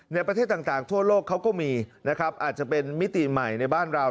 ในประเทศต่างทั่วโลกเขาก็มีนะครับอาจจะเป็นมิติใหม่ในบ้านเรา